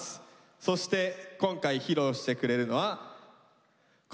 そして今回披露してくれるのはこの２人です。